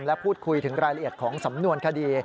และพูดคุยถึงรายละเอียดของสำนวนคดี